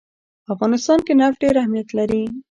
په افغانستان کې نفت ډېر اهمیت لري.